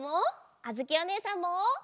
あづきおねえさんも！